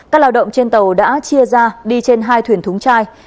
các lao động trên tàu đã chia ra đi trên hai thuyền thúng chai